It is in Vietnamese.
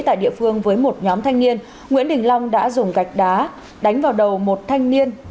tại địa phương với một nhóm thanh niên nguyễn đình long đã dùng gạch đá đánh vào đầu một thanh niên